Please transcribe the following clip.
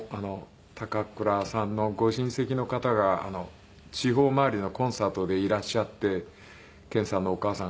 高倉さんのご親戚の方が地方回りのコンサートでいらっしゃって健さんのお母さんがたいそう喜んでおられたっていう。